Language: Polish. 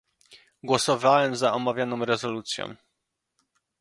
Głosowałem za omawianą rezolucją